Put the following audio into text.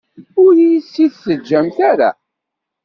Ur iyi-tt-id-teǧǧamt ara.